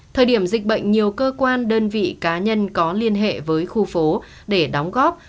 thời điểm dịch bệnh nhiều cơ quan đơn vị cá nhân có liên hệ với khu phố để đóng góp